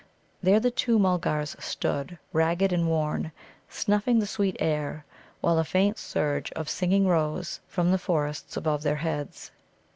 There the two Mulgars stood, ragged and worn, snuffing the sweet air, while a faint surge of singing rose from the forests above their heads.